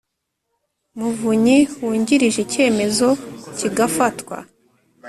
Muvunyi Wungirije icyemezo kigafatwa